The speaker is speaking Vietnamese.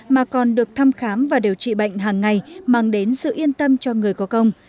mà còn được thăm khám và điều trị bệnh hàng ngày mang đến sự yên tâm cho người có công